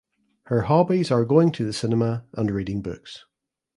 Her hobbies are going to the cinema and reading books.